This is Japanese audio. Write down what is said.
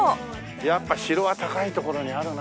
やっぱ城は高い所にあるな。